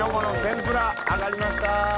揚がりました！